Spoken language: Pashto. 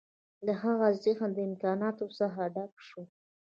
د هغه ذهن د امکاناتو څخه ډک شو